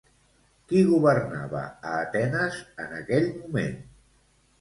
Qui governava a Atenes en aquell moment?